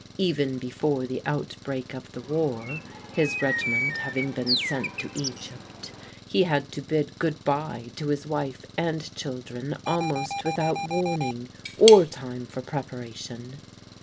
Even before the outbreak of the war, his regiment having been sent to Egypt, he had to bid good bye to his wife and children, almost without warning or time for preparation.